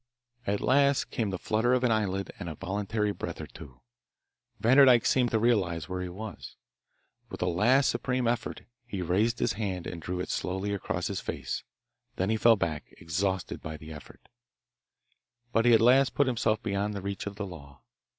At last came the flutter of an eyelid and a voluntary breath or two. Vanderdyke seemed to realise where he was. With a last supreme effort he raised his hand and drew it slowly across his face. Then he fell back, exhausted by the effort. But he had at last put himself beyond the reach of the law.